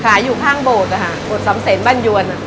ขายอยู่ข้างโบสถ์โบสถ์ศัพท์เซนบ้านยวน